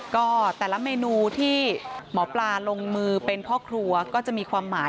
ก็แต่ละเมนูที่หมอปลาลงมือเป็นพ่อครัวก็จะมีความหมาย